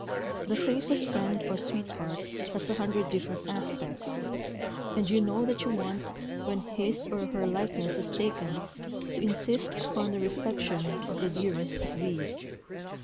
The face of friend or sweetheart has a hundred different aspects; and you know that you want, when his or her "likeness" is taken, to insist upon the reflection of the dearest of these.